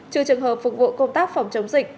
trừ trường hợp phục vụ công tác phòng chống dịch